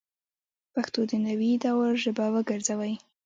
پښتو د نوي دور ژبه وګرځوئ